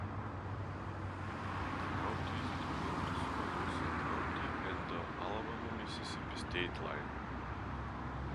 The county is between Tuscaloosa County and the Alabama-Mississippi state line.